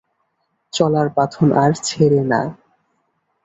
চলার বাঁধন আর ছেঁড়ে না।